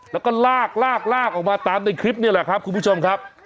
แล้วก็ลากลากออกมาตามในคลิปนี่แหละครับคุณผู้ชมครับ